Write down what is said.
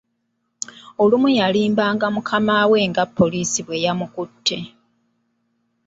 Olumu yalimbanga mukama we nga poliisi bwe yamukutte.